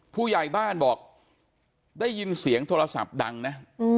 ผู้ใหญ่บ้านบอกได้ยินเสียงโทรศัพท์ดังนะ